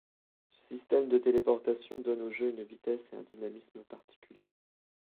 Ce système de téléportation donne au jeu une vitesse et un dynamisme particulier.